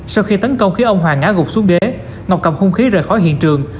sau khi tấn công khiến ông hoàng ngã gục xuống ghế ngọc cầm hung khí rời khỏi hiện trường